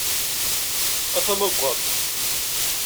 A tamagadt!